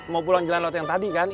mau pulang jalan laut yang tadi kan